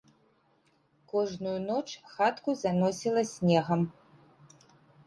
Кожную ноч хатку заносіла снегам.